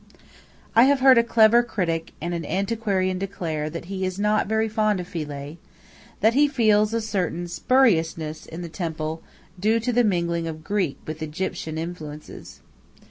I have heard a clever critic and antiquarian declare that he is not very fond of Philae; that he feels a certain "spuriousness" in the temple due to the mingling of Greek with Egyptian influences.